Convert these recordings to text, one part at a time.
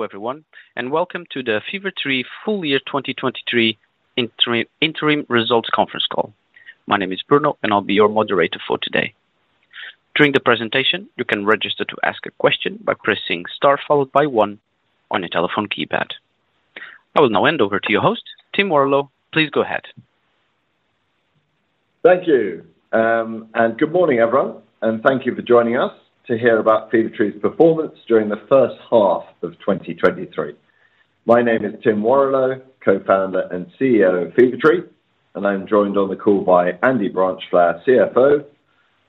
Hello, everyone, and welcome to the Fever-Tree Full Year 2023 Interim, Interim Results Conference Call. My name is Bruno, and I'll be your moderator for today. During the presentation, you can register to ask a question by pressing Star followed by one on your telephone keypad. I will now hand over to your host, Tim Warrillow. Please go ahead. Thank you. And good morning, everyone, and thank you for joining us to hear about Fever-Tree's performance during the first half of 2023. My name is Tim Warrillow, co-founder and CEO of Fever-Tree, and I'm joined on the call by Andy Branchflower, CFO,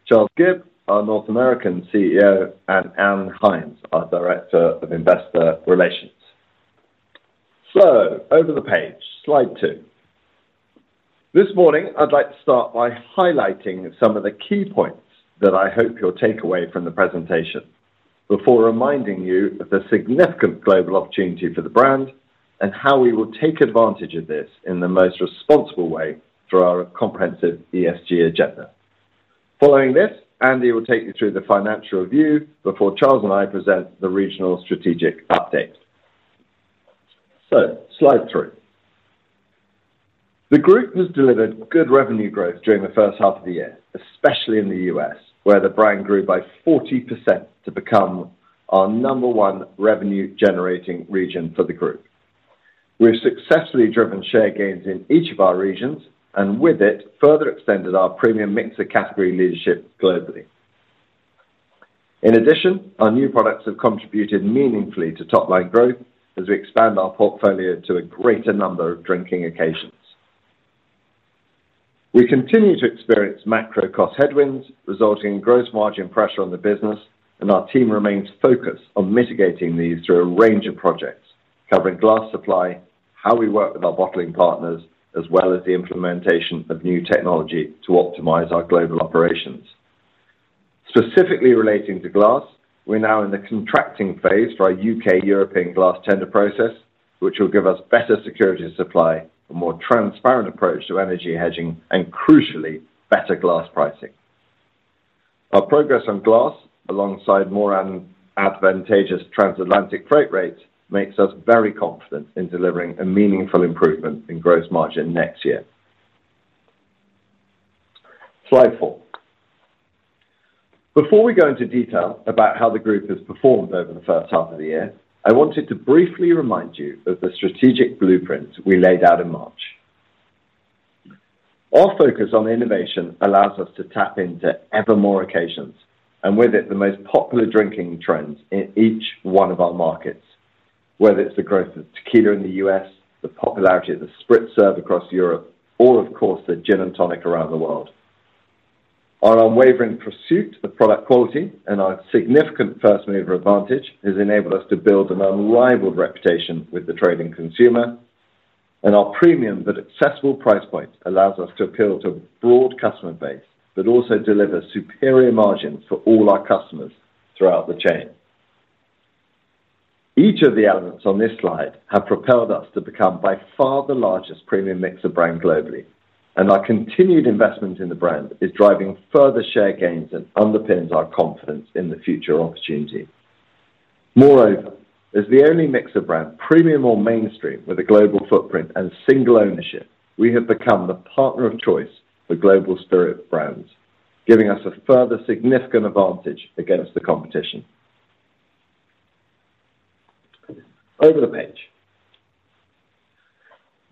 Charles Gibb, our North American CEO, and Anne Hines, our Director of Investor Relations. So over the page, slide two. This morning, I'd like to start by highlighting some of the key points that I hope you'll take away from the presentation, before reminding you of the significant global opportunity for the brand and how we will take advantage of this in the most responsible way through our comprehensive ESG agenda. Following this, Andy will take you through the financial review before Charles and I present the regional strategic update. So slide three. The group has delivered good revenue growth during the first half of the year, especially in the U.S., where the brand grew by 40% to become our number one revenue-generating region for the group. We've successfully driven share gains in each of our regions and, with it, further extended our premium mixer category leadership globally. In addition, our new products have contributed meaningfully to top-line growth as we expand our portfolio to a greater number of drinking occasions. We continue to experience macro cost headwinds, resulting in gross margin pressure on the business, and our team remains focused on mitigating these through a range of projects covering glass supply, how we work with our bottling partners, as well as the implementation of new technology to optimize our global operations. Specifically relating to glass, we're now in the contracting phase for our U.K. European glass tender process, which will give us better security of supply, a more transparent approach to energy hedging, and crucially, better glass pricing. Our progress on glass, alongside more and advantageous Transatlantic freight rates, makes us very confident in delivering a meaningful improvement in Gross Margin next year. Slide four. Before we go into detail about how the group has performed over the first half of the year, I wanted to briefly remind you of the strategic blueprint we laid out in March. Our focus on innovation allows us to tap into ever more occasions and with it, the most popular drinking trends in each one of our markets, whether it's the growth of tequila in the U.S., the popularity of the Spritz serve across Europe, or of course, the gin and tonic around the world. Our unwavering pursuit of product quality and our significant first-mover advantage has enabled us to build an unrivaled reputation with the trading consumer, and our premium but accessible price point allows us to appeal to a broad customer base that also delivers superior margins for all our customers throughout the chain. Each of the elements on this slide have propelled us to become by far the largest premium mixer brand globally, and our continued investment in the brand is driving further share gains and underpins our confidence in the future opportunity. Moreover, as the only mixer brand, premium or mainstream, with a global footprint and single ownership, we have become the partner of choice for global spirit brands, giving us a further significant advantage against the competition. Over the page.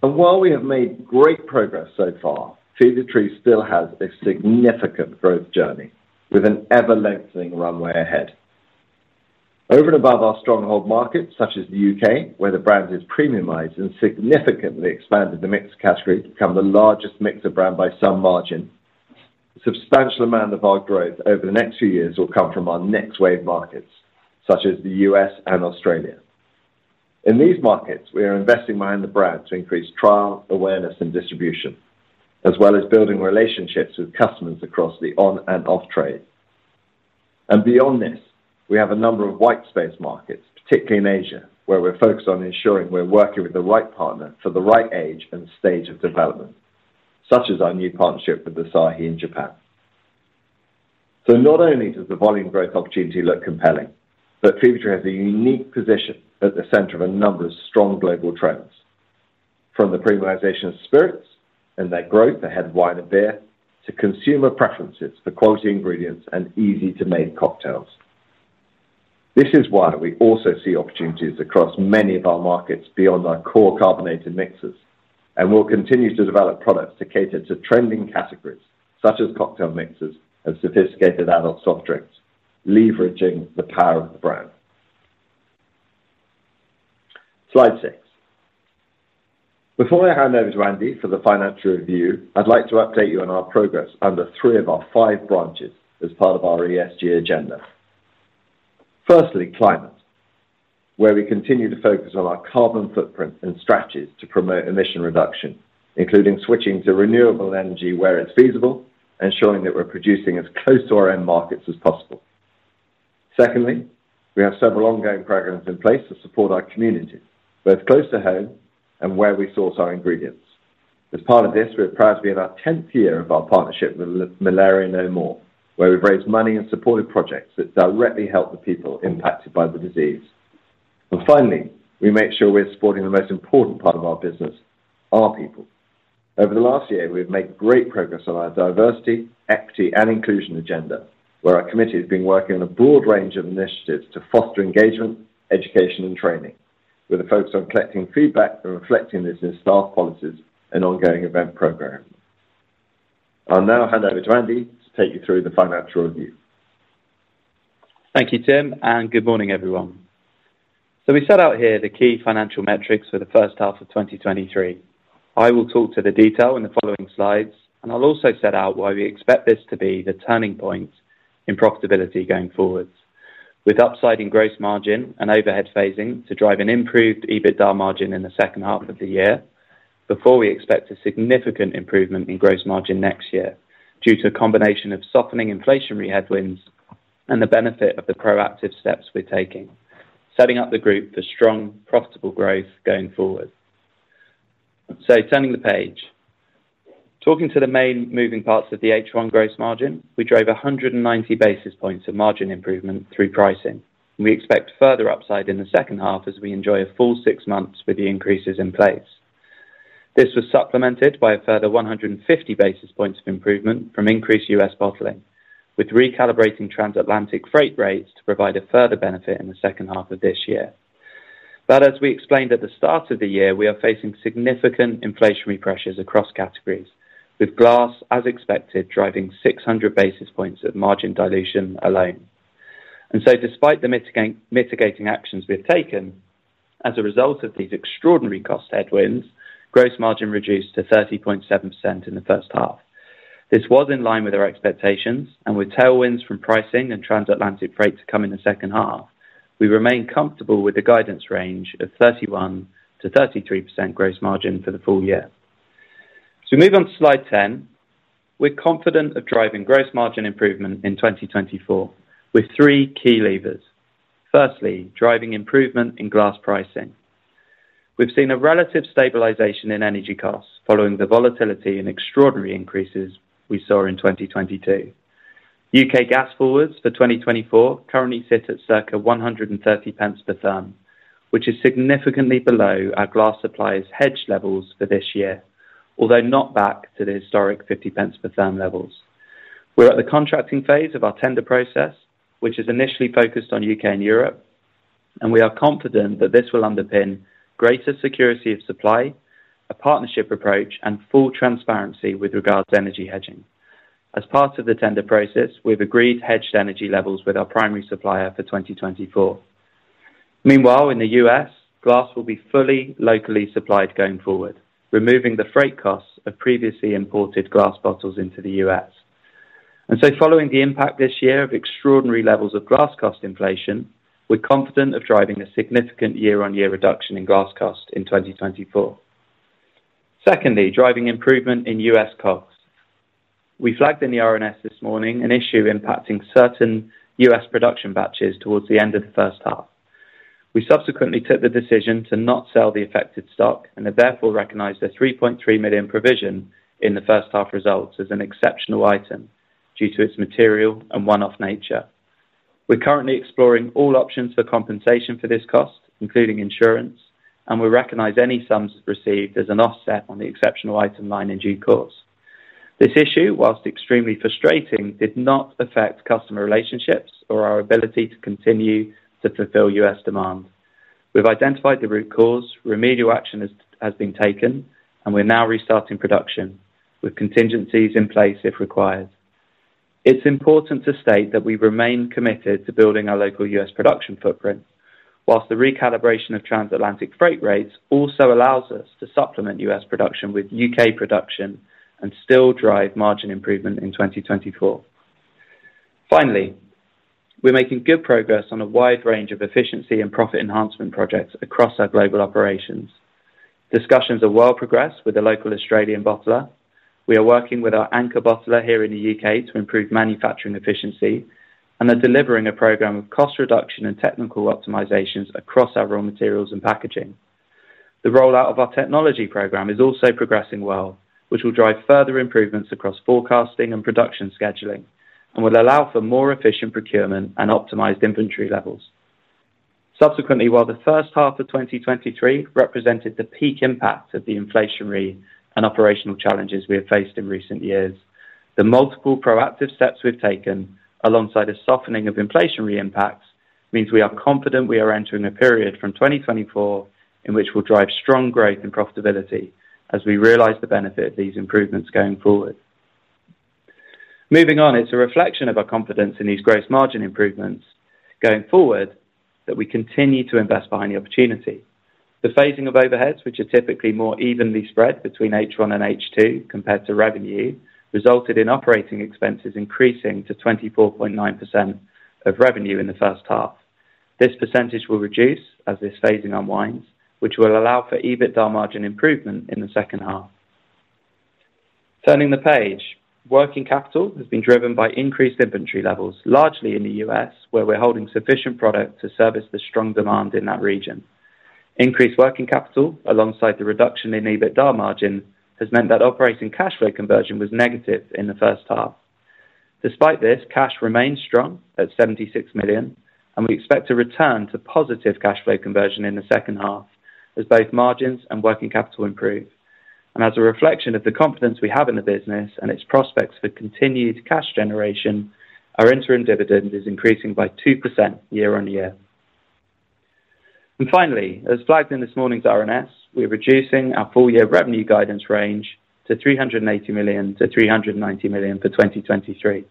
While we have made great progress so far, Fever-Tree still has a significant growth journey, with an ever-lengthening runway ahead. Over and above our stronghold markets, such as the U.K., where the brand is premiumized and significantly expanded the mixer category to become the largest mixer brand by some margin, substantial amount of our growth over the next few years will come from our next wave markets, such as the U.S. and Australia. In these markets, we are investing behind the brand to increase trial, awareness, and distribution, as well as building relationships with customers across the on and off-trade. Beyond this, we have a number of white space markets, particularly in Asia, where we're focused on ensuring we're working with the right partner for the right age and stage of development, such as our new partnership with Asahi in Japan. So not only does the volume growth opportunity look compelling, but Fever-Tree has a unique position at the center of a number of strong global trends, from the premiumization of spirits and their growth ahead of wine and beer, to consumer preferences for quality ingredients and easy-to-make cocktails. This is why we also see opportunities across many of our markets beyond our core carbonated mixers, and we'll continue to develop products to cater to trending categories such as Cocktail MIXERS and sophisticated adult soft drinks, leveraging the power of the brand. Slide six. Before I hand over to Andy for the financial review, I'd like to update you on our progress under three of our five branches as part of our ESG agenda. Firstly, climate, where we continue to focus on our carbon footprint and strategies to promote emission reduction, including switching to renewable energy where it's feasible, ensuring that we're producing as close to our end markets as possible. Secondly, we have several ongoing programs in place to support our community, both close to home and where we source our ingredients... As part of this, we're proud to be in our tenth year of our partnership with Malaria No More, where we've raised money and supported projects that directly help the people impacted by the disease. And finally, we make sure we're supporting the most important part of our business, our people. Over the last year, we've made great progress on our diversity, equity, and inclusion agenda, where our committee has been working on a broad range of initiatives to foster engagement, education, and training, with a focus on collecting feedback and reflecting this in staff policies and ongoing event program. I'll now hand over to Andy to take you through the financial review. Thank you, Tim, and good morning, everyone. So we set out here the key financial metrics for the first half of 2023. I will talk to the detail in the following slides, and I'll also set out why we expect this to be the turning point in profitability going forward. With upside in gross margin and overhead phasing to drive an improved EBITDA margin in the second half of the year, before we expect a significant improvement in gross margin next year, due to a combination of softening inflationary headwinds and the benefit of the proactive steps we're taking, setting up the group for strong, profitable growth going forward. So turning the page. Talking to the main moving parts of the H1 gross margin, we drove 190 basis points of margin improvement through pricing. We expect further upside in the second half as we enjoy a full six months with the increases in place. This was supplemented by a further 150 basis points of improvement from increased U.S. bottling, with recalibrating transatlantic freight rates to provide a further benefit in the second half of this year. But as we explained at the start of the year, we are facing significant inflationary pressures across categories, with glass, as expected, driving 600 basis points of margin dilution alone. And so despite the mitigating actions we have taken, as a result of these extraordinary cost headwinds, gross margin reduced to 30.7% in the first half. This was in line with our expectations, and with tailwinds from pricing and transatlantic freight to come in the second half, we remain comfortable with the guidance range of 31%-33% gross margin for the full year. So move on to slide 10. We're confident of driving gross margin improvement in 2024 with three key levers. Firstly, driving improvement in glass pricing. We've seen a relative stabilization in energy costs following the volatility and extraordinary increases we saw in 2022. U.K. gas forwards for 2024 currently sit at circa 130 pence per therm, which is significantly below our glass suppliers' hedge levels for this year, although not back to the historic 50 pence per therm levels. We're at the contracting phase of our tender process, which is initially focused on U.K. and Europe, and we are confident that this will underpin greater security of supply, a partnership approach, and full transparency with regards to energy hedging. As part of the tender process, we've agreed hedged energy levels with our primary supplier for 2024. Meanwhile, in the U.S., glass will be fully locally supplied going forward, removing the freight costs of previously imported glass bottles into the U.S. And so following the impact this year of extraordinary levels of glass cost inflation, we're confident of driving a significant year-on-year reduction in glass cost in 2024. Secondly, driving improvement in U.S. costs. We flagged in the RNS this morning an issue impacting certain U.S. production batches towards the end of the first half. We subsequently took the decision to not sell the affected stock and have therefore recognized a 3.3 million provision in the first half results as an exceptional item due to its material and one-off nature. We're currently exploring all options for compensation for this cost, including insurance, and we recognize any sums received as an offset on the exceptional item line in due course. This issue, while extremely frustrating, did not affect customer relationships or our ability to continue to fulfill U.S. demands. We've identified the root cause, remedial action has been taken, and we're now restarting production with contingencies in place if required. It's important to state that we remain committed to building our local U.S. production footprint, while the recalibration of transatlantic freight rates also allows us to supplement U.S. production with U.K. production and still drive margin improvement in 2024. Finally, we're making good progress on a wide range of efficiency and profit enhancement projects across our global operations. Discussions are well progressed with the local Australian bottler. We are working with our anchor bottler here in the U.K. to improve manufacturing efficiency and are delivering a program of cost reduction and technical optimizations across our raw materials and packaging. The rollout of our technology program is also progressing well, which will drive further improvements across forecasting and production scheduling and will allow for more efficient procurement and optimized inventory levels. Subsequently, while the first half of 2023 represented the peak impact of the inflationary and operational challenges we have faced in recent years, the multiple proactive steps we've taken, alongside a softening of inflationary impacts, means we are confident we are entering a period from 2024 in which we'll drive strong growth and profitability as we realize the benefit of these improvements going forward. Moving on, it's a reflection of our confidence in these gross margin improvements going forward, that we continue to invest behind the opportunity. The phasing of overheads, which are typically more evenly spread between H1 and H2 compared to revenue, resulted in operating expenses increasing to 24.9% of revenue in the first half. This percentage will reduce as this phasing unwinds, which will allow for EBITDA margin improvement in the second half. Turning the page. Working capital has been driven by increased inventory levels, largely in the U.S., where we're holding sufficient product to service the strong demand in that region. Increased working capital, alongside the reduction in EBITDA margin, has meant that operating cash flow conversion was negative in the first half. Despite this, cash remains strong at 76 million, and we expect to return to positive cash flow conversion in the second half as both margins and working capital improve. As a reflection of the confidence we have in the business and its prospects for continued cash generation, our interim dividend is increasing by 2% year-on-year. Finally, as flagged in this morning's RNS, we're reducing our full year revenue guidance range to 380 million-390 million for 2023.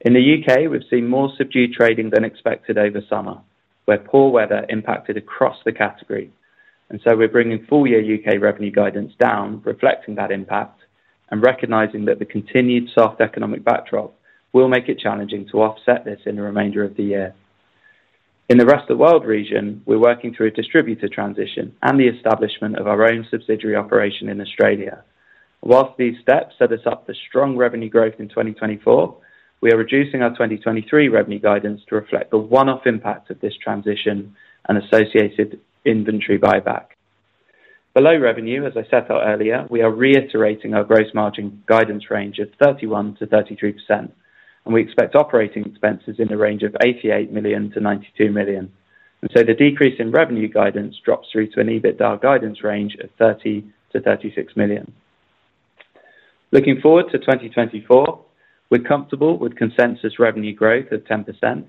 In the U.K., we've seen more subdued trading than expected over summer, where poor weather impacted across the category, and so we're bringing full year U.K. revenue guidance down, reflecting that impact and recognizing that the continued soft economic backdrop will make it challenging to offset this in the remainder of the year. In the rest of the world region, we're working through a distributor transition and the establishment of our own subsidiary operation in Australia. Whilst these steps set us up for strong revenue growth in 2024, we are reducing our 2023 revenue guidance to reflect the one-off impact of this transition and associated inventory buyback. Below revenue, as I set out earlier, we are reiterating our gross margin guidance range of 31%-33%, and we expect operating expenses in the range of 88 million-92 million. The decrease in revenue guidance drops through to an EBITDA guidance range of 30 million-36 million. Looking forward to 2024, we're comfortable with consensus revenue growth of 10%.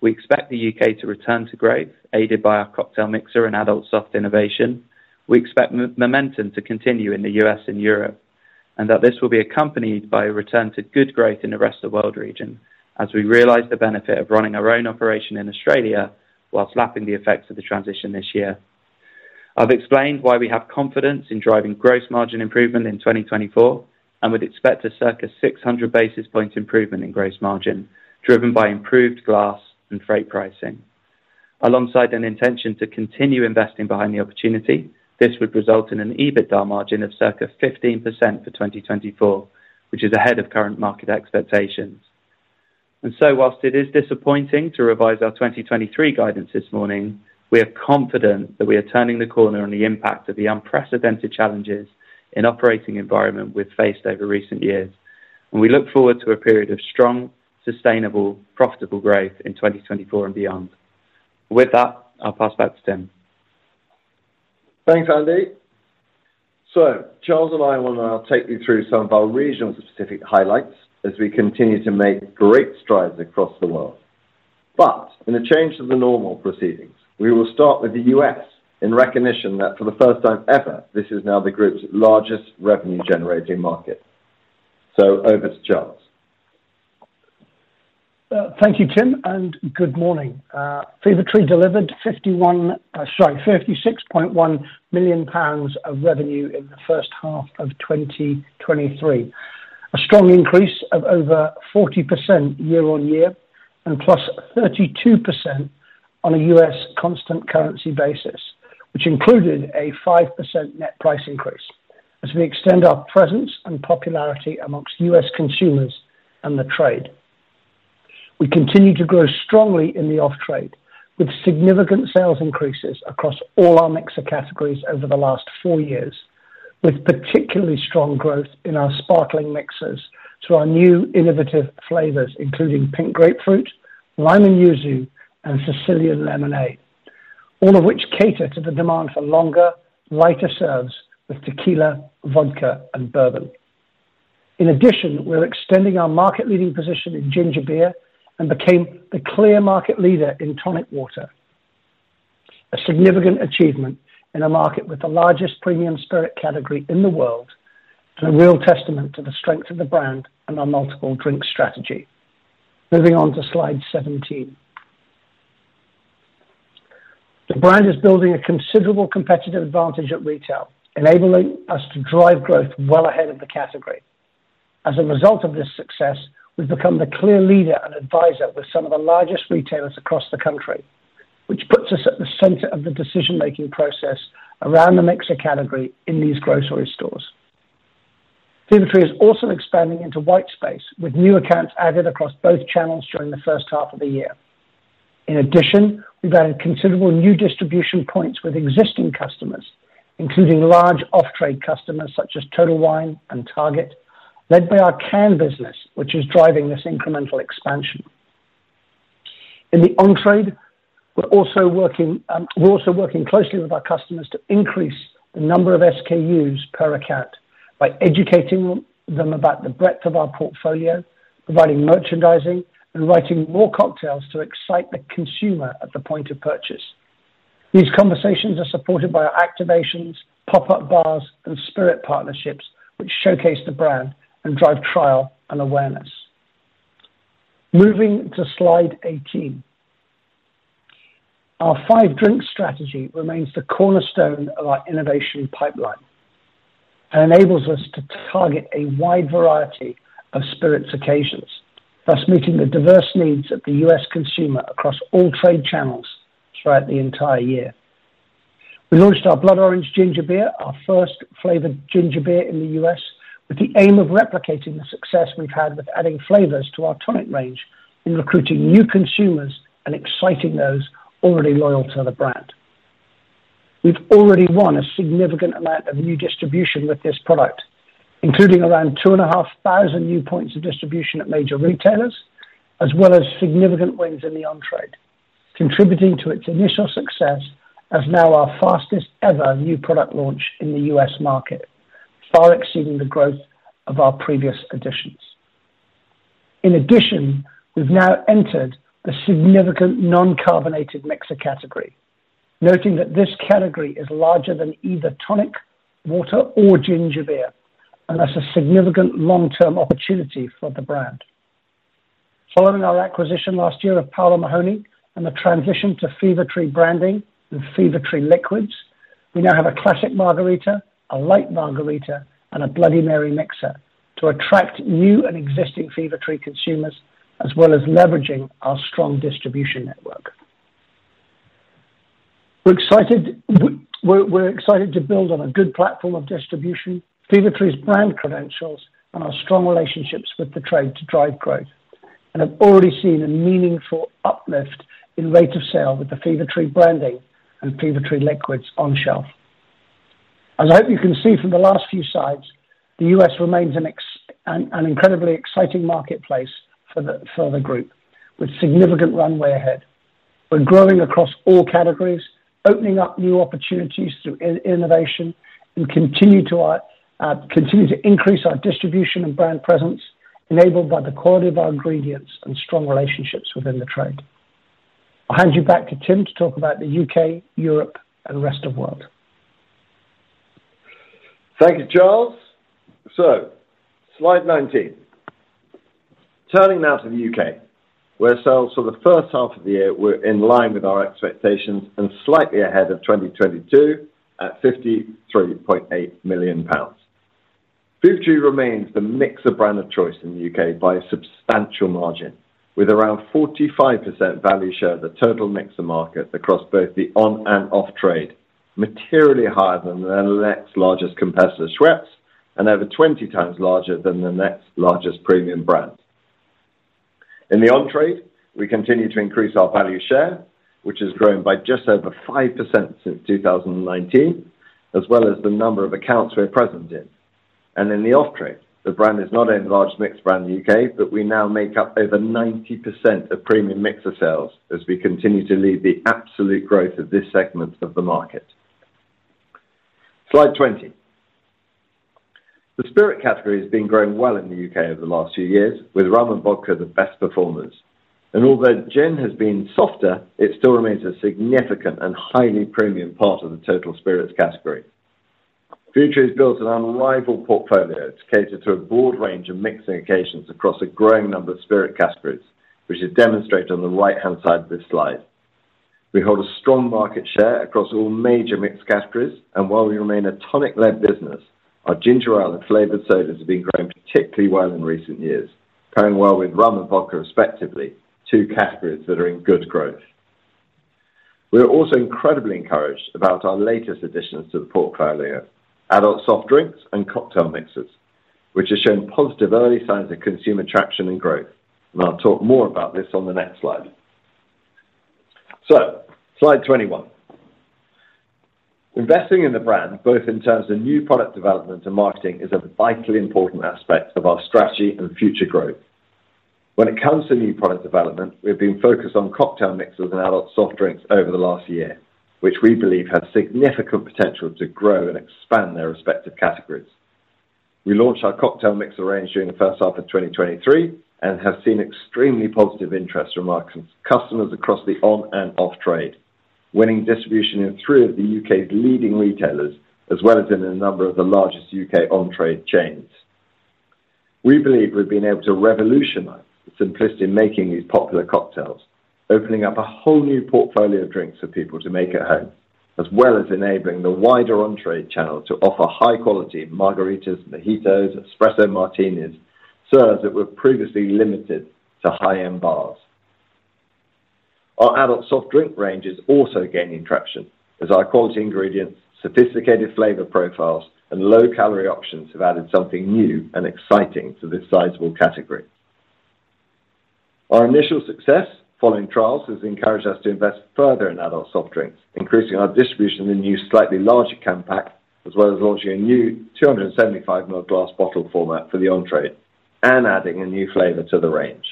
We expect the U.K. to return to growth, aided by our cocktail mixer and adult soft drinks innovation. We expect momentum to continue in the U.S. and Europe, and that this will be accompanied by a return to good growth in the rest of the world region as we realize the benefit of running our own operation in Australia while lapping the effects of the transition this year. I've explained why we have confidence in driving gross margin improvement in 2024 and would expect a circa 600 basis point improvement in gross margin, driven by improved glass and freight pricing. Alongside an intention to continue investing behind the opportunity, this would result in an EBITDA margin of circa 15% for 2024, which is ahead of current market expectations. And so, whilst it is disappointing to revise our 2023 guidance this morning, we are confident that we are turning the corner on the impact of the unprecedented challenges and operating environment we've faced over recent years, and we look forward to a period of strong, sustainable, profitable growth in 2024 and beyond. With that, I'll pass back to Tim. Thanks, Andy. So Charles and I want to now take you through some of our regional specific highlights as we continue to make great strides across the world. But in a change to the normal proceedings, we will start with the U.S. in recognition that for the first time ever, this is now the group's largest revenue-generating market. So over to Charles. Thank you, Tim, and good morning. Fever-Tree delivered 56.1 million pounds of revenue in the first half of 2023. A strong increase of over 40% year-on-year and +32% on a U.S. constant currency basis, which included a 5% net price increase as we extend our presence and popularity among U.S. consumers and the trade. We continue to grow strongly in the off-trade, with significant sales increases across all our mixer categories over the last four years, with particularly strong growth in our sparkling mixers through our new innovative flavors, including Pink Grapefruit, Lime and Yuzu, and Sicilian Lemonade, all of which cater to the demand for longer, lighter serves with tequila, vodka, and bourbon. In addition, we're extending our market-leading position in ginger beer and became the clear market leader in tonic water, a significant achievement in a market with the largest premium spirit category in the world and a real testament to the strength of the brand and our multiple drink strategy. Moving on to slide 17. The brand is building a considerable competitive advantage at retail, enabling us to drive growth well ahead of the category. As a result of this success, we've become the clear leader and advisor with some of the largest retailers across the country, which puts us at the center of the decision-making process around the mixer category in these grocery stores. Fever-Tree is also expanding into white space, with new accounts added across both channels during the first half of the year. In addition, we've added considerable new distribution points with existing customers, including large off-trade customers such as Total Wine and Target, led by our can business, which is driving this incremental expansion. In the on-trade, we're also working closely with our customers to increase the number of SKUs per account by educating them about the breadth of our portfolio, providing merchandising, and writing more cocktails to excite the consumer at the point of purchase. These conversations are supported by our activations, pop-up bars, and spirit partnerships, which showcase the brand and drive trial and awareness. Moving to slide 18. Our Five Drink Strategy remains the cornerstone of our innovation pipeline and enables us to target a wide variety of spirits occasions, thus meeting the diverse needs of the U.S. consumer across all trade channels throughout the entire year. We launched our Blood Orange Ginger Beer, our first flavored ginger beer in the U.S., with the aim of replicating the success we've had with adding flavors to our tonic range in recruiting new consumers and exciting those already loyal to the brand. We've already won a significant amount of new distribution with this product, including around 2,500 new points of distribution at major retailers, as well as significant wins in the on-trade, contributing to its initial success as now our fastest ever new product launch in the U.S. market, far exceeding the growth of our previous editions. In addition, we've now entered the significant non-carbonated mixer category, noting that this category is larger than either tonic, water, or ginger beer, and that's a significant long-term opportunity for the brand. Following our acquisition last year of Powell & Mahoney and the transition to Fever-Tree branding with Fever-Tree liquids, we now have a Classic Margarita, a Light Margarita, and a Bloody Mary Mixer to attract new and existing Fever-Tree consumers, as well as leveraging our strong distribution network. We're excited to build on a good platform of distribution, Fever-Tree's brand credentials, and our strong relationships with the trade to drive growth, and have already seen a meaningful uplift in rate of sale with the Fever-Tree branding and Fever-Tree liquids on shelf. As I hope you can see from the last few slides, the U.S. remains an incredibly exciting marketplace for the group, with significant runway ahead. We're growing across all categories, opening up new opportunities through innovation, and continue to increase our distribution and brand presence, enabled by the quality of our ingredients and strong relationships within the trade. I'll hand you back to Tim to talk about the U.K., Europe, and the rest of world. Thank you, Charles. So slide 19. Turning now to the U.K., where sales for the first half of the year were in line with our expectations and slightly ahead of 2022 at GBP 53.8 million. Fever-Tree remains the mixer brand of choice in the U.K. by a substantial margin, with around 45% value share of the total mixer market across both the on and off trade, materially higher than their next largest competitor, Schweppes, and over 20 times larger than the next largest premium brand. In the on-trade, we continue to increase our value share, which has grown by just over 5% since 2019, as well as the number of accounts we're present in. And in the off-trade, the brand is not only the largest mixed brand in the U.K., but we now make up over 90% of premium mixer sales as we continue to lead the absolute growth of this segment of the market. Slide 20. The spirit category has been growing well in the U.K. over the last few years, with rum and vodka the best performers. And although gin has been softer, it still remains a significant and highly premium part of the total spirits category. Fever-Tree has built an unrivaled portfolio to cater to a broad range of mixing occasions across a growing number of spirit categories, which is demonstrated on the right-hand side of this slide. We hold a strong market share across all major mixed categories, and while we remain a tonic-led business, our Ginger Ale and flavored sodas have been growing particularly well in recent years, pairing well with rum and vodka respectively, two categories that are in good growth. We are also incredibly encouraged about our latest additions to the portfolio, adult soft drinks and Cocktail MIXERS, which have shown positive early signs of consumer traction and growth, and I'll talk more about this on the next slide. Slide 21. Investing in the brand, both in terms of new product development and marketing, is a vitally important aspect of our strategy and future growth. When it comes to new product development, we've been focused on Cocktail MIXERS and adult soft drinks over the last year, which we believe have significant potential to grow and expand their respective categories. We launched our Cocktail MIXERS range during the first half of 2023, and have seen extremely positive interest from our customers across the on- and off-trade, winning distribution in three of the U.K. leading retailers, as well as in a number of the largest U.K. on-trade chains. We believe we've been able to revolutionize the simplicity in making these popular cocktails, opening up a whole new portfolio of drinks for people to make at home, as well as enabling the wider on-trade channel to offer high-quality margaritas, mojitos, espresso martinis, serves that were previously limited to high-end bars. Our adult soft drink range is also gaining traction, as our quality ingredients, sophisticated flavor profiles, and low-calorie options have added something new and exciting to this sizable category. Our initial success following trials has encouraged us to invest further in adult soft drinks, increasing our distribution in the new, slightly larger can pack, as well as launching a new 275ml glass bottle format for the on-trade, and adding a new flavor to the range.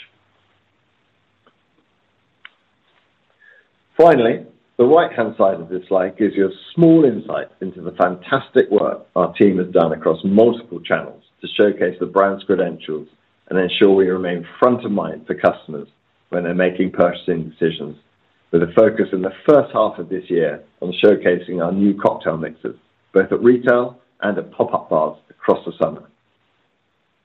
Finally, the right-hand side of this slide gives you a small insight into the fantastic work our team has done across multiple channels to showcase the brand's credentials and ensure we remain front of mind for customers when they're making purchasing decisions, with a focus in the first half of this year on showcasing our new cocktail mixes, both at retail and at pop-up bars across the summer.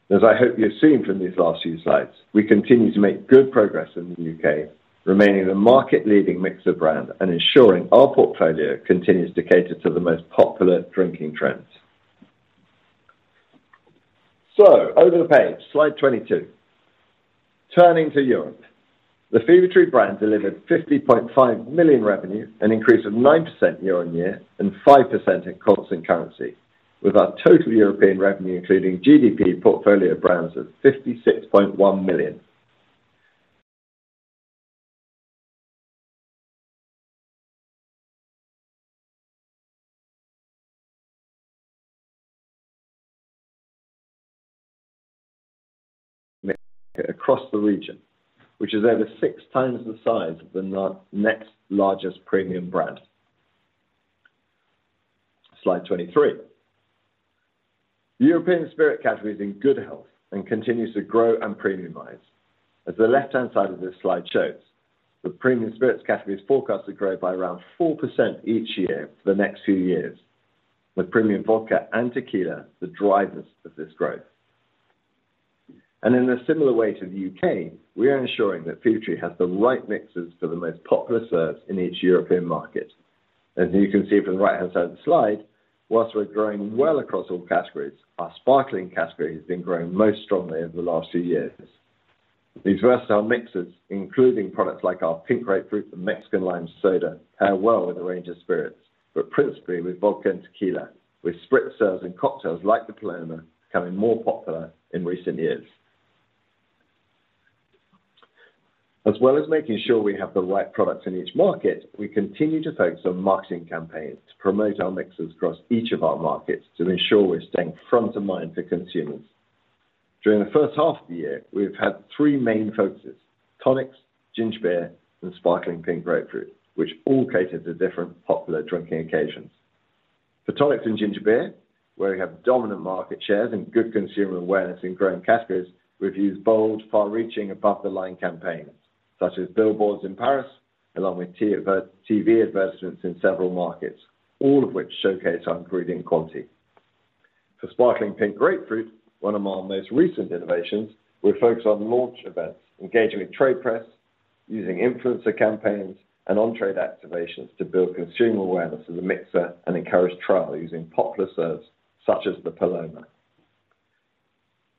As I hope you've seen from these last few slides, we continue to make good progress in the U.K., remaining the market-leading mixer brand and ensuring our portfolio continues to cater to the most popular drinking trends. So over the page, slide 22. Turning to Europe, the Fever-Tree brand delivered 50.5 million revenue, an increase of 9% year-on-year and 5% in constant currency, with our total European revenue, including GDP portfolio brands, of 56.1 million. Across the region, which is over six times the size of the next largest premium brand. Slide 23. European spirit category is in good health and continues to grow and premiumize. As the left-hand side of this slide shows, the premium spirits category is forecast to grow by around 4% each year for the next two years, with premium vodka and tequila the drivers of this growth. In a similar way to the U.K., we are ensuring that Fever-Tree has the right mixes for the most popular serves in each European market. As you can see from the right-hand side of the slide, while we're growing well across all categories, our sparkling category has been growing most strongly over the last few years. These versatile mixes, including products like our Pink Grapefruit and Mexican Lime Soda, pair well with a range of spirits, but principally with vodka and tequila, with Spritz serves and cocktails, like the Paloma, becoming more popular in recent years. As well as making sure we have the right products in each market, we continue to focus on marketing campaigns to promote our mixes across each of our markets to ensure we're staying front of mind for consumers. During the first half of the year, we've had three main focuses: tonics, ginger beer, and sparkling Pink Grapefruit, which all cater to different popular drinking occasions. For tonics and ginger beer, where we have dominant market shares and good consumer awareness in growing categories, we've used bold, far-reaching, above-the-line campaigns, such as billboards in Paris, along with TV advertisements in several markets, all of which showcase our ingredient quality. For sparkling Pink Grapefruit, one of our most recent innovations, we focused on launch events, engaging with trade press, using influencer campaigns and on-trade activations to build consumer awareness of the mixer and encourage trial using popular serves such as the Paloma.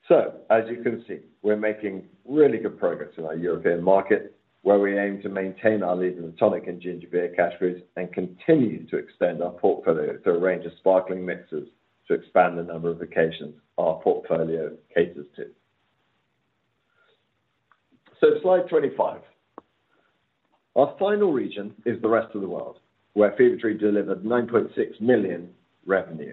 So as you can see, we're making really good progress in our European market, where we aim to maintain our lead in the tonic and ginger beer categories and continue to extend our portfolio to a range of sparkling mixers to expand the number of occasions our portfolio caters to. So slide 25. Our final region is the rest of the world, where Fever-Tree delivered 9.6 million revenue.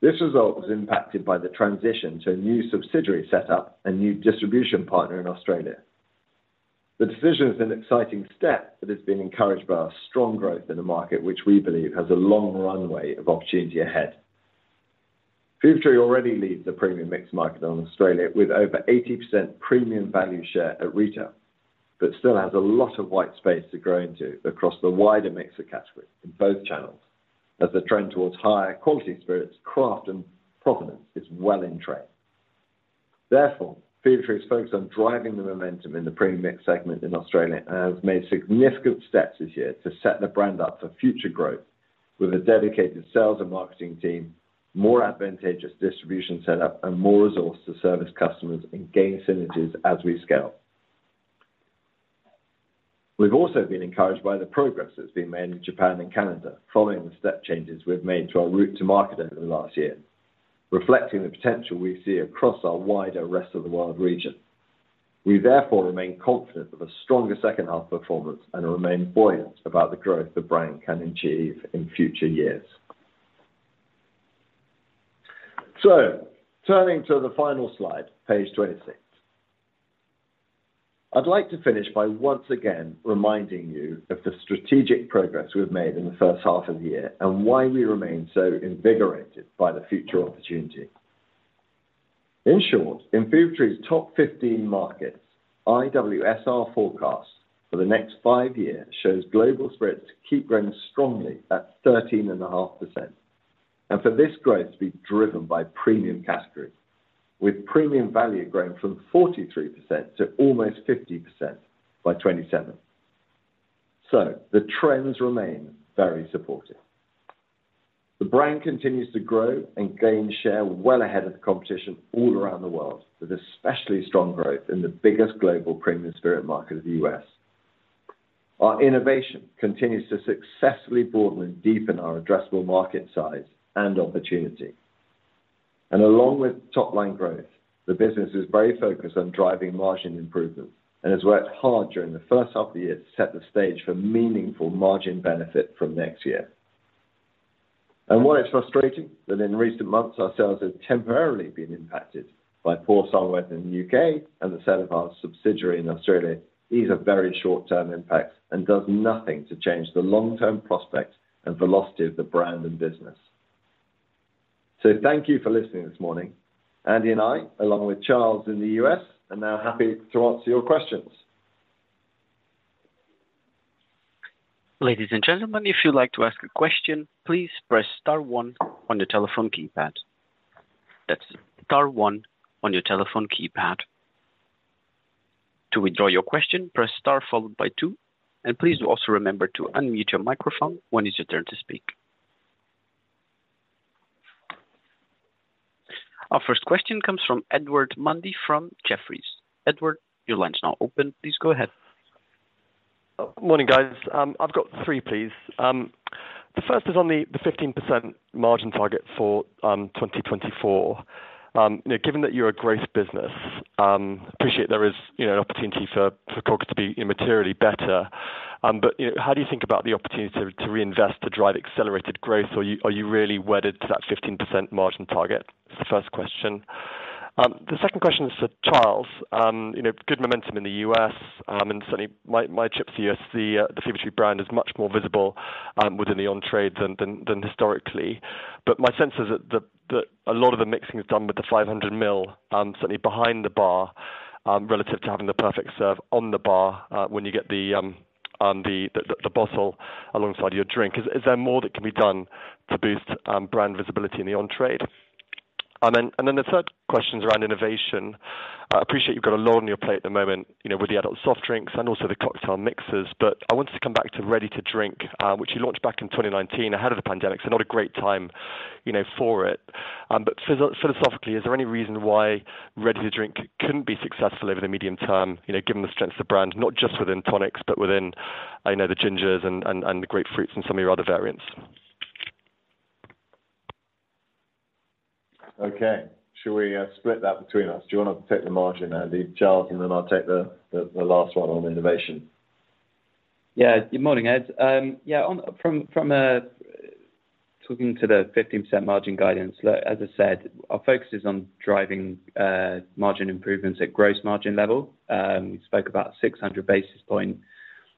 This result was impacted by the transition to a new subsidiary set up and new distribution partner in Australia. The decision is an exciting step that has been encouraged by our strong growth in the market, which we believe has a long runway of opportunity ahead. Fever-Tree already leads the premium mixed market in Australia, with over 80% premium value share at retail, but still has a lot of white space to grow into across the wider mixer category in both channels, as the trend towards higher quality spirits, craft, and provenance is well in trend. Therefore, Fever-Tree is focused on driving the momentum in the premium mix segment in Australia and has made significant steps this year to set the brand up for future growth with a dedicated sales and marketing team, more advantageous distribution setup, and more resource to service customers and gain synergies as we scale. We've also been encouraged by the progress that's been made in Japan and Canada, following the step changes we've made to our route to market over the last year, reflecting the potential we see across our wider rest of the world region. We therefore remain confident of a stronger second half performance and remain buoyant about the growth the brand can achieve in future years. So turning to the final slide, page 26. I'd like to finish by once again reminding you of the strategic progress we've made in the first half of the year and why we remain so invigorated by the future opportunity. In short, in Fever-Tree's top 15 markets, IWSR forecast for the next five years shows global spreads to keep growing strongly at 13.5%, and for this growth to be driven by premium category, with premium value growing from 43% to almost 50% by 2027. So the trends remain very supportive. The brand continues to grow and gain share well ahead of the competition all around the world, with especially strong growth in the biggest global premium spirit market of the U.S. Our innovation continues to successfully broaden and deepen our addressable market size and opportunity. Along with top-line growth, the business is very focused on driving margin improvement and has worked hard during the first half of the year to set the stage for meaningful margin benefit from next year. While it's frustrating that in recent months our sales have temporarily been impacted by poor summer weather in the U.K. and the sale of our subsidiary in Australia, these are very short-term impacts and does nothing to change the long-term prospects and velocity of the brand and business. Thank you for listening this morning. Andy and I, along with Charles in the U.S., are now happy to answer your questions. Ladies and gentlemen, if you'd like to ask a question, please press star one on your telephone keypad. That's star one on your telephone keypad. To withdraw your question, press star followed by two, and please also remember to unmute your microphone when it's your turn to speak. Our first question comes from Edward Mundy, from Jefferies. Edward, your line is now open. Please go ahead. Good morning, guys. I've got three, please. The first is on the 15% margin target for 2024. You know, given that you're a growth business, appreciate there is, you know, an opportunity for COGS to be immaterially better. But you know, how do you think about the opportunity to reinvest to drive accelerated growth, or are you really wedded to that 15% margin target? It's the first question. The second question is for Charles. You know, good momentum in the U.S., and certainly my checks, the Fever-Tree brand is much more visible within the on-trade than historically. But my sense is that a lot of the mixing is done with the 500ml, certainly behind the bar, relative to having the Perfect Serve on the bar, when you get the bottle alongside your drink. Is there more that can be done to boost brand visibility in the on-trade? And then the third question is around innovation. I appreciate you've got a lot on your plate at the moment, you know, with the adult soft drinks and also the cocktail mixes, but I wanted to come back to Ready to Drink, which you launched back in 2019, ahead of the pandemic, so not a great time, you know, for it. But philosophically, is there any reason why Ready to Drink couldn't be successful over the medium term? You know, given the strength of the brand, not just within tonics, but within, I know, the gingers and the grapefruits and some of your other variants. Okay. Should we split that between us? Do you want to take the margin, and leave Charles, and then I'll take the last one on innovation? Yeah. Good morning, Ed. Yeah, on from talking to the 15% margin guidance, look, as I said, our focus is on driving margin improvements at gross margin level. We spoke about 600 basis point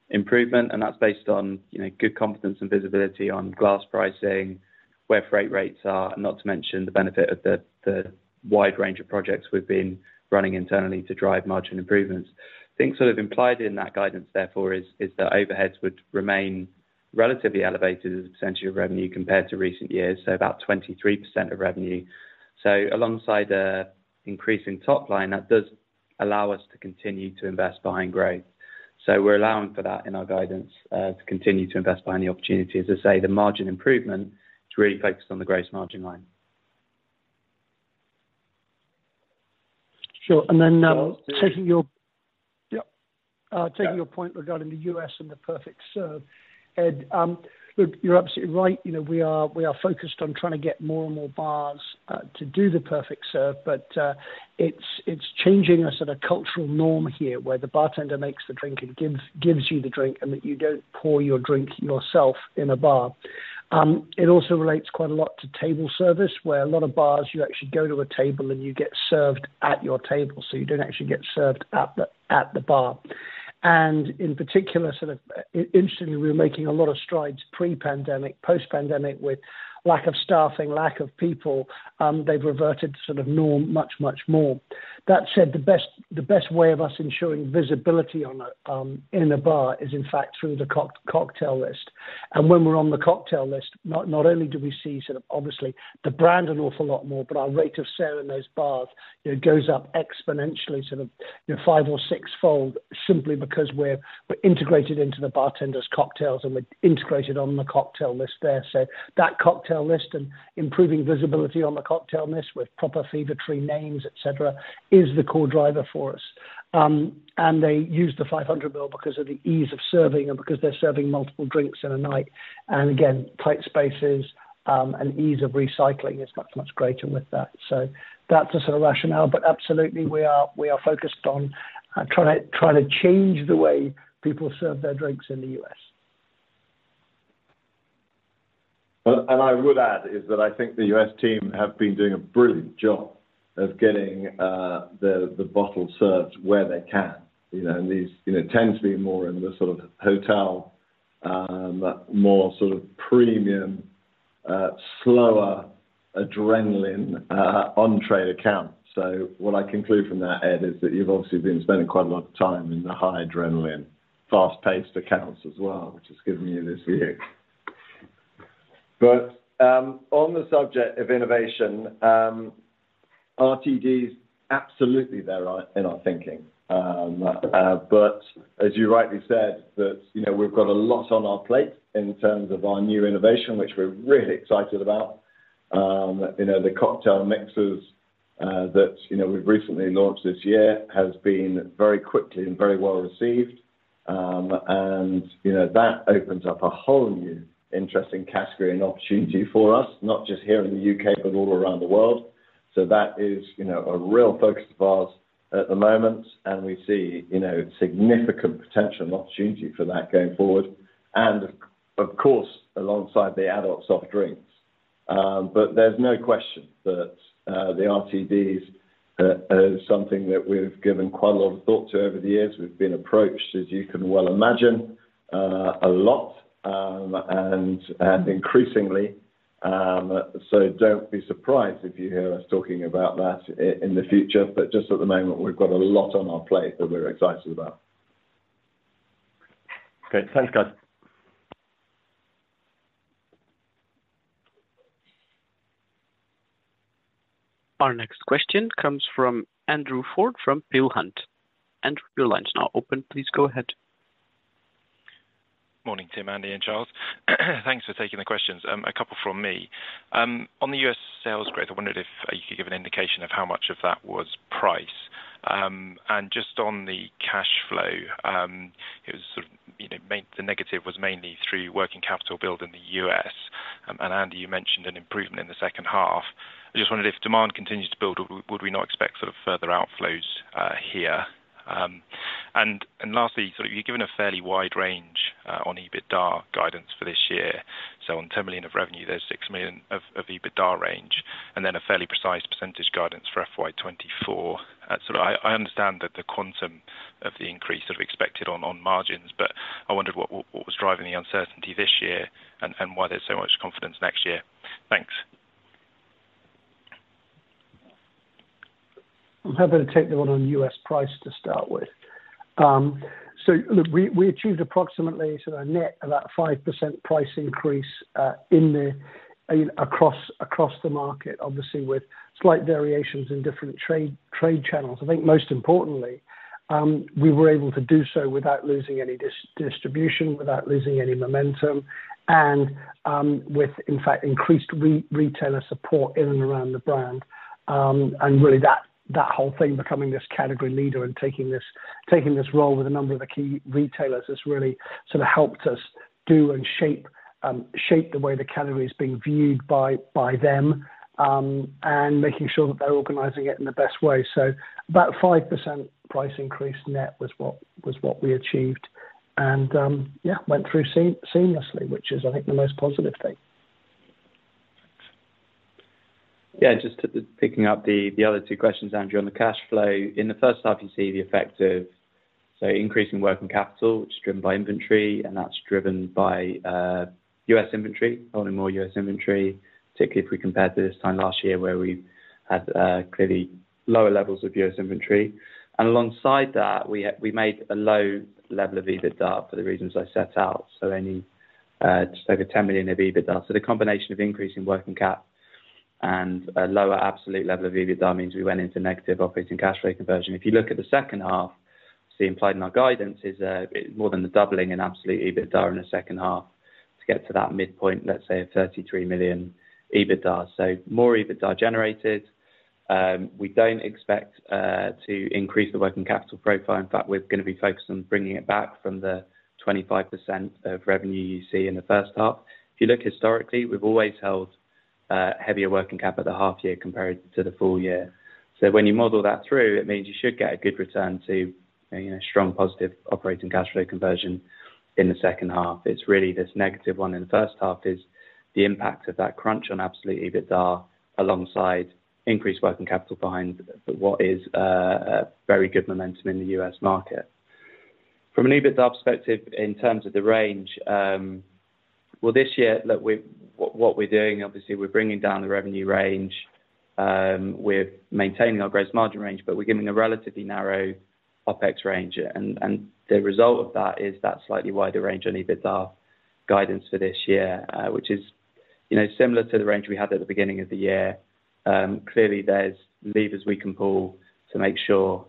improvement, and that's based on, you know, good confidence and visibility on glass pricing, where freight rates are, and not to mention the benefit of the wide range of projects we've been running internally to drive margin improvements. Things sort of implied in that guidance, therefore, is that overheads would remain relatively elevated as a percentage of revenue compared to recent years, so about 23% of revenue. So alongside the increase in top line, that does allow us to continue to invest behind growth. So we're allowing for that in our guidance to continue to invest behind the opportunity. As I say, the margin improvement is really focused on the gross margin line. Sure. And then, taking your- Yeah. Taking your point regarding the U.S. and the perfect serve, Ed, look, you're absolutely right. You know, we are, we are focused on trying to get more and more bars to do the perfect serve, but it's changing a sort of cultural norm here, where the bartender makes the drink and gives you the drink, and that you don't pour your drink yourself in a bar. It also relates quite a lot to table service, where a lot of bars, you actually go to a table, and you get served at your table, so you don't actually get served at the bar. And in particular, sort of, interestingly, we were making a lot of strides pre-pandemic. Post-pandemic, with lack of staffing, lack of people, they've reverted to sort of norm much more. That said, the best way of us ensuring visibility in a bar is, in fact, through the cocktail list. And when we're on the cocktail list, not only do we see sort of, obviously, the brand an awful lot more, but our rate of sale in those bars, you know, goes up exponentially, sort of, you know, five or six fold, simply because we're integrated into the bartender's cocktails, and we're integrated on the cocktail list there. So that cocktail list and improving visibility on the cocktail list with proper Fever-Tree names, et cetera, is the core driver for us. And they use the 500 ml because of the ease of serving and because they're serving multiple drinks in a night. And again, tight spaces, and ease of recycling is much, much greater with that. So that's the sort of rationale, but absolutely we are focused on trying to change the way people serve their drinks in the U.S. Well, and I would add, is that I think the U.S. team have been doing a brilliant job of getting the bottle served where they can. You know, and these, you know, tend to be more in the sort of hotel, more sort of premium, slower adrenaline, on-trade account. So what I conclude from that, Ed, is that you've obviously been spending quite a lot of time in the high adrenaline, fast-paced accounts as well, which has given you this view. But on the subject of innovation, RTDs, absolutely they're in our thinking. But as you rightly said, that, you know, we've got a lot on our plate in terms of our new innovation, which we're really excited about. You know, the cocktail mixes, that, you know, we've recently launched this year has been very quickly and very well received. And, you know, that opens up a whole new interesting category and opportunity for us, not just here in the U.K., but all around the world. So that is, you know, a real focus of ours at the moment, and we see, you know, significant potential and opportunity for that going forward and, of course, alongside the adult soft drinks. But there's no question that, the RTDs, are something that we've given quite a lot of thought to over the years. We've been approached, as you can well imagine, a lot, and increasingly, so don't be surprised if you hear us talking about that in the future. But just at the moment, we've got a lot on our plate that we're excited about. Great. Thanks, guys. Our next question comes from Andrew Ford, from Peel Hunt. Andrew, your line is now open. Please go ahead. Morning, Tim, Andy, and Charles. Thanks for taking the questions. A couple from me. On the U.S. sales growth, I wondered if you could give an indication of how much of that was price. And just on the cash flow, it was sort of, you know, mainly the negative was mainly through working capital build in the U.S. And Andy, you mentioned an improvement in the second half. I just wondered if demand continues to build, would we not expect sort of further outflows, here? And lastly, so you've given a fairly wide range, on EBITDA guidance for this year. So on 10 million of revenue, there's 6 million of EBITDA range, and then a fairly precise percentage guidance for FY 2024. So I understand that the quantum of the increase that we expected on margins, but I wondered what was driving the uncertainty this year and why there's so much confidence next year? Thanks. I'm happy to take the one on U.S. price to start with. So look, we achieved approximately sort of net, about 5% price increase, in across the market, obviously, with slight variations in different trade channels. I think most importantly, we were able to do so without losing any distribution, without losing any momentum, and, in fact, increased retailer support in and around the brand. And really, that whole thing becoming this category leader and taking this role with a number of the key retailers has really sort of helped us do and shape the way the category is being viewed by them, and making sure that they're organizing it in the best way. So about 5% price increase net was what we achieved. Yeah, went through seamlessly, which is, I think, the most positive thing. Thanks. Yeah, just picking up the other two questions, Andrew, on the cash flow. In the first half, you see the effect of, say, increasing working capital, which is driven by inventory, and that's driven by U.S. inventory, holding more U.S. inventory, particularly if we compare to this time last year, where we had clearly lower levels of U.S. inventory. And alongside that, we had. We made a low level of EBITDA for the reasons I set out, so only just over 10 million of EBITDA. So the combination of increasing working cap and a lower absolute level of EBITDA means we went into negative operating cash flow conversion. If you look at the second half, see implied in our guidance is more than the doubling in absolute EBITDA in the second half to get to that midpoint, let's say, of 33 million EBITDA. So more EBITDA generated. We don't expect to increase the working capital profile. In fact, we're gonna be focused on bringing it back from the 25% of revenue you see in the first half. If you look historically, we've always held heavier working cap at the half year compared to the full year. So when you model that through, it means you should get a good return to, you know, strong positive operating cash flow conversion in the second half. It's really this negative one in the first half is the impact of that crunch on absolute EBITDA, alongside increased working capital behind what is a very good momentum in the U.S. market. From an EBITDA perspective, in terms of the range, well, this year, look, what we're doing, obviously, we're bringing down the revenue range, we're maintaining our gross margin range, but we're giving a relatively narrow OpEx range. And the result of that is that slightly wider range on EBITDA guidance for this year, which is, you know, similar to the range we had at the beginning of the year. Clearly, there's levers we can pull to make sure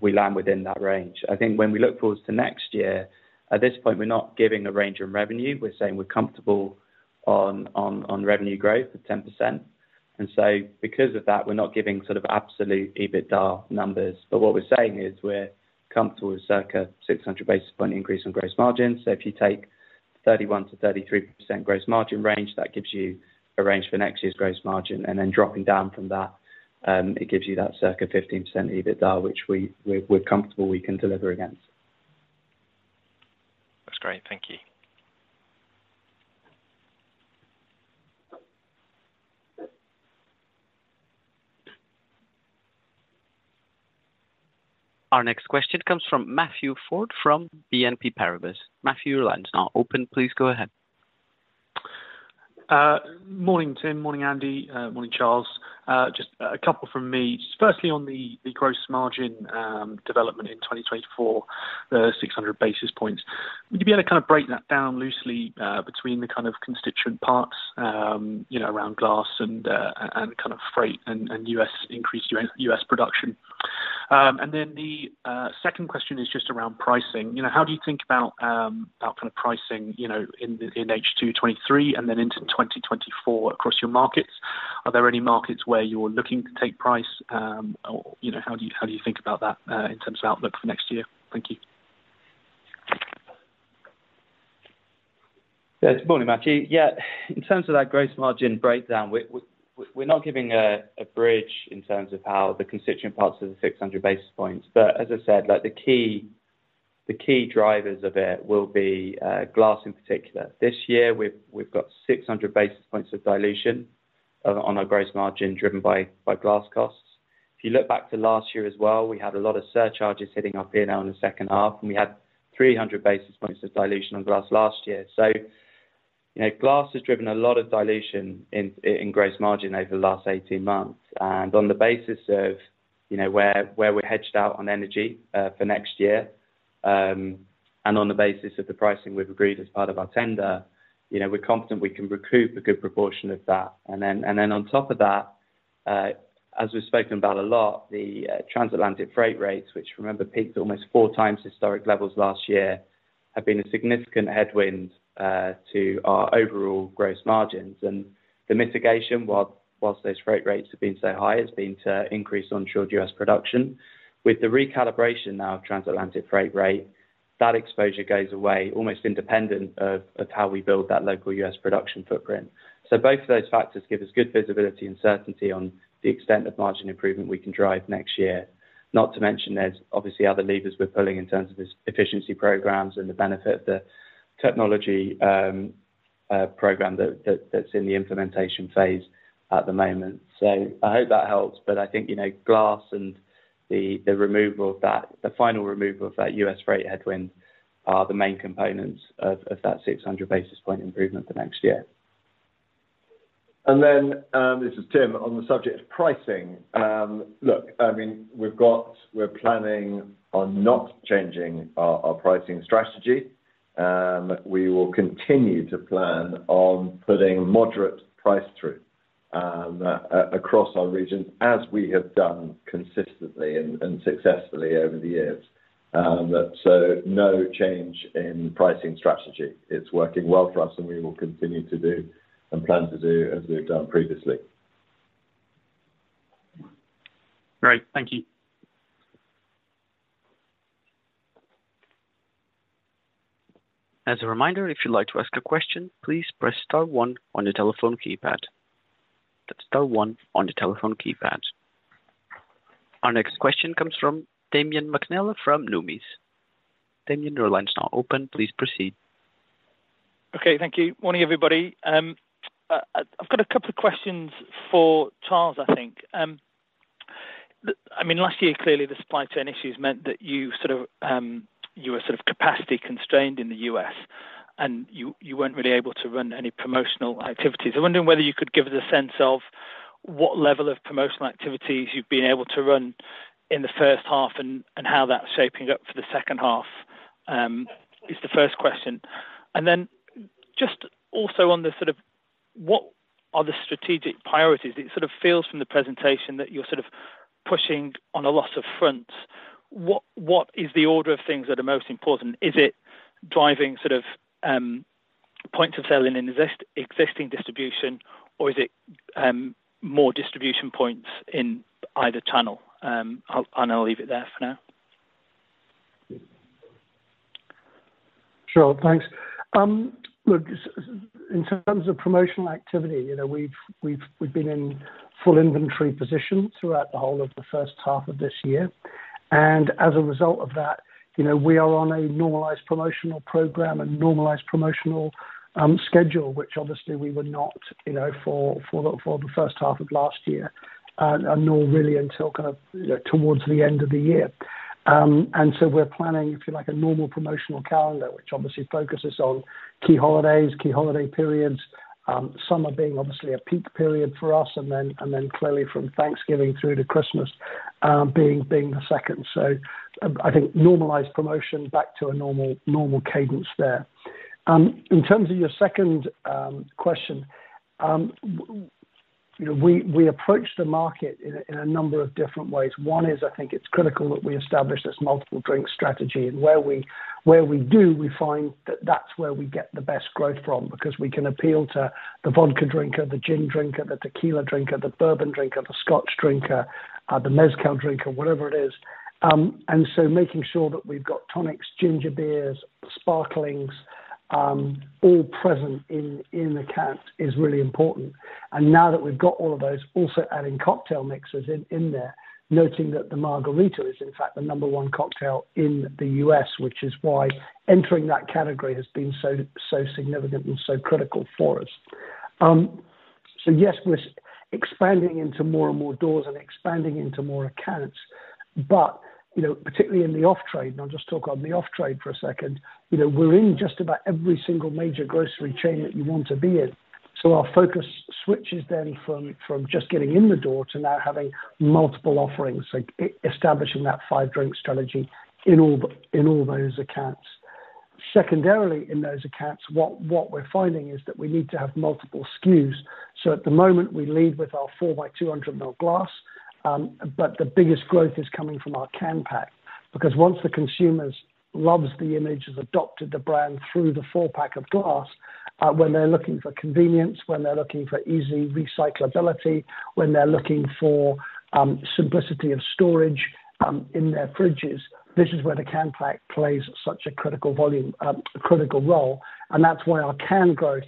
we land within that range. I think when we look forward to next year, at this point, we're not giving a range in revenue. We're saying we're comfortable on revenue growth of 10%. And so because of that, we're not giving sort of absolute EBITDA numbers. But what we're saying is we're comfortable with circa 600 basis point increase in gross margin. So if you take 31%-33% gross margin range, that gives you a range for next year's gross margin, and then dropping down from that, it gives you that circa 15% EBITDA, which we're comfortable we can deliver against. That's great. Thank you. Our next question comes from Matthew Ford, from BNP Paribas. Matthew, your line is now open. Please go ahead. Morning, Tim, morning, Andy, morning, Charles. Just a couple from me. Firstly, on the gross margin development in 2024, the 600 basis points. Would you be able to kind of break that down loosely between the kind of constituent parts, you know, around glass and kind of freight and U.S. increase U.S. production? And then the second question is just around pricing. You know, how do you think about kind of pricing, you know, in H2 2023 and then into 2024 across your markets? Are there any markets where you're looking to take price, or, you know, how do you think about that in terms of outlook for next year? Thank you. Yes, morning, Matthew. Yeah, in terms of that gross margin breakdown, we're not giving a bridge in terms of how the constituent parts of the 600 basis points, but as I said, like the key drivers of it will be glass in particular. This year, we've got 600 basis points of dilution on our gross margin, driven by glass costs. If you look back to last year as well, we had a lot of surcharges hitting our P&L in the second half, and we had 300 basis points of dilution on glass last year. So, you know, glass has driven a lot of dilution in gross margin over the last 18 months. And on the basis of, you know, where we're hedged out on energy for next year-... And on the basis of the pricing we've agreed as part of our tender, you know, we're confident we can recoup a good proportion of that. And then on top of that, as we've spoken about a lot, the transatlantic freight rates, which, remember, peaked almost four times historic levels last year, have been a significant headwind to our overall gross margins. And the mitigation, while those freight rates have been so high, has been to increase onshore U.S. production. With the recalibration now of transatlantic freight rate, that exposure goes away, almost independent of how we build that local U.S. production footprint. So both of those factors give us good visibility and certainty on the extent of margin improvement we can drive next year. Not to mention, there's obviously other levers we're pulling in terms of this efficiency programs and the benefit of the technology program that's in the implementation phase at the moment. So I hope that helps, but I think, you know, glass and the final removal of that U.S. freight headwind are the main components of that 600 basis point improvement for next year. This is Tim. On the subject of pricing, look, I mean, we're planning on not changing our pricing strategy. We will continue to plan on putting moderate price through across our regions, as we have done consistently and successfully over the years. So no change in pricing strategy. It's working well for us, and we will continue to do and plan to do as we've done previously. Great. Thank you. As a reminder, if you'd like to ask a question, please press star one on your telephone keypad. That's star one on your telephone keypad. Our next question comes from Damian McNeela from Numis. Damian, your line is now open. Please proceed. Okay, thank you. Morning, everybody. I've got a couple of questions for Charles, I think. I mean, last year, clearly, the supply chain issues meant that you sort of you were sort of capacity constrained in the U.S., and you weren't really able to run any promotional activities. I'm wondering whether you could give us a sense of what level of promotional activities you've been able to run in the first half and, and how that's shaping up for the second half, is the first question. And then just also on the sort of, what are the strategic priorities? It sort of feels from the presentation that you're sort of pushing on a lot of fronts. What is the order of things that are most important? Is it driving sort of points of sale in existing distribution, or is it more distribution points in either channel? I'll leave it there for now. Sure. Thanks. Look, in terms of promotional activity, you know, we've been in full inventory position throughout the whole of the first half of this year. And as a result of that, you know, we are on a normalized promotional program and normalized promotional schedule, which obviously we were not, you know, for the first half of last year, and nor really until kind of, you know, towards the end of the year. And so we're planning, if you like, a normal promotional calendar, which obviously focuses on key holidays, key holiday periods, summer being obviously a peak period for us, and then clearly from Thanksgiving through to Christmas, being the second. So I think normalized promotion back to a normal cadence there. In terms of your second question, you know, we approach the market in a number of different ways. One is, I think it's critical that we establish this multiple drink strategy, and where we do, we find that that's where we get the best growth from, because we can appeal to the vodka drinker, the gin drinker, the tequila drinker, the bourbon drinker, the scotch drinker, the mezcal drinker, whatever it is. And so making sure that we've got tonics, ginger beers, sparklings, all present in account is really important. And now that we've got all of those, also adding Cocktail MIXERS in there, noting that the margarita is, in fact, the number one cocktail in the U.S., which is why entering that category has been so, so significant and so critical for us. So yes, we're expanding into more and more doors and expanding into more accounts, but, you know, particularly in the Off-Trade, and I'll just talk on the Off-Trade for a second, you know, we're in just about every single major grocery chain that you want to be in. So our focus switches then from just getting in the door to now having multiple offerings, so establishing that Five Drink Strategy in all those accounts. Secondarily, in those accounts, what we're finding is that we need to have multiple SKUs. So at the moment, we lead with our four by 200 ml glass, but the biggest growth is coming from our can pack, because once the consumers loves the image, has adopted the brand through the four pack of glass, when they're looking for convenience, when they're looking for easy recyclability, when they're looking for, simplicity of storage, in their fridges, this is where the can pack plays such a critical volume, a critical role, and that's why our can growth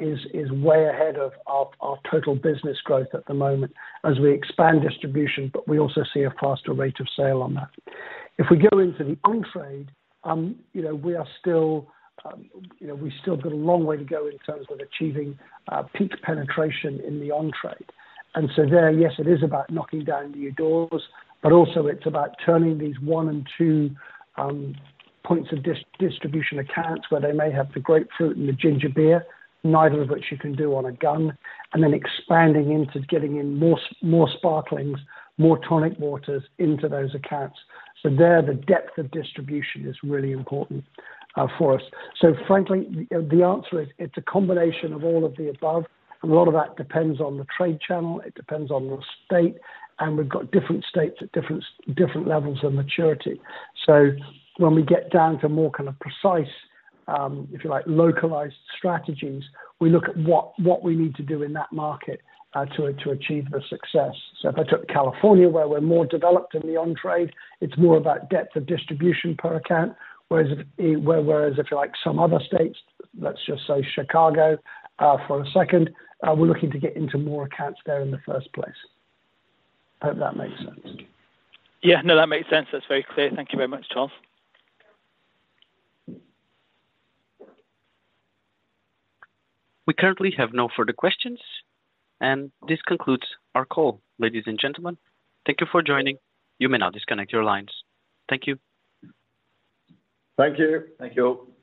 is way ahead of our total business growth at the moment as we expand distribution, but we also see a faster rate of sale on that. If we go into the on-trade, you know, we are still, you know, we still got a long way to go in terms of achieving peak penetration in the on-trade. And so there, yes, it is about knocking down new doors, but also it's about turning these one and two points of distribution accounts, where they may have the grapefruit and the ginger beer, neither of which you can do on a gun, and then expanding into getting in more, more sparklings, more tonic waters into those accounts. So there, the depth of distribution is really important for us. So frankly, the answer is it's a combination of all of the above, and a lot of that depends on the trade channel, it depends on the state, and we've got different states at different levels of maturity. So when we get down to more kind of precise, if you like, localized strategies, we look at what we need to do in that market to achieve the success. If I took California, where we're more developed in the on-trade, it's more about depth of distribution per account, whereas if you like some other states, let's just say Chicago, for a second, we're looking to get into more accounts there in the first place. I hope that makes sense. Yeah. No, that makes sense. That's very clear. Thank you very much, Charles. We currently have no further questions, and this concludes our call. Ladies and gentlemen, thank you for joining. You may now disconnect your lines. Thank you. Thank you. Thank you.